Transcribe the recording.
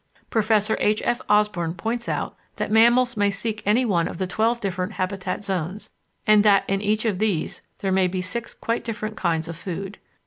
Professor H. F. Osborn points out that mammals may seek any one of the twelve different habitat zones, and that in each of these there may be six quite different kinds of food.